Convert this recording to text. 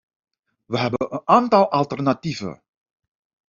Wij hebben een aantal alternatieven.